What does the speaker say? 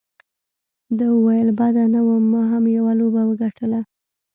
ده وویل: بده نه وه، ما هم یوه لوبه وګټله.